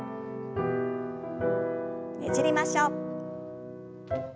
ねじりましょう。